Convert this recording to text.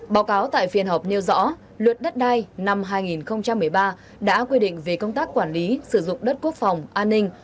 báo cáo tại phiên họp nêu rõ luật đất đai năm hai nghìn một mươi ba đã quy định về công tác quản lý sử dụng đất quốc phòng an ninh